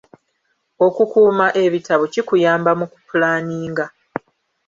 Okukuuma ebitabo kikuyamba mu kupulaaninga.